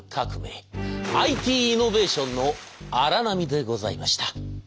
ＩＴイノベーションの荒波でございました。